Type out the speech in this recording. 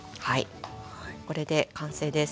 これで完成です。